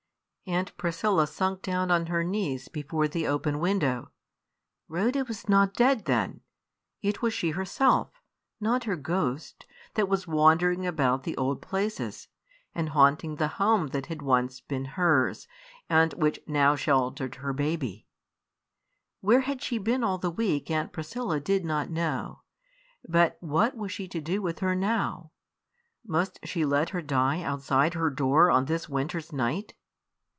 Aunt Priscilla sunk down on her knees before the open window. Rhoda was not dead, then! It was she herself, not her ghost, that was wandering about the old places, and haunting the home that had once been hers, and which now sheltered her baby. Where she had been all the week Aunt Priscilla did not know. But what was she to do with her now? Must she let her die outside her door on this winter's night?